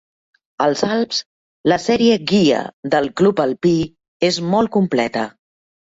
Als Alps, la sèrie Guia del club alpí és molt completa.